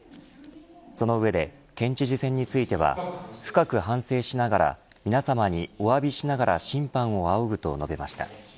その上で、県知事選については深く反省しながら皆さまにおわびしながら審判を仰ぐと述べました。